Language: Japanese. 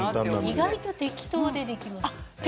意外と適当で、できます。